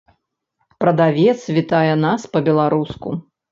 Прадавец вітае нас па-беларуску.